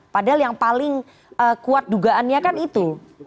padahal yang paling kuat dugaannya kan itu